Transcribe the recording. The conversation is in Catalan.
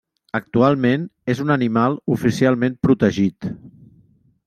Actualment és un animal oficialment protegit.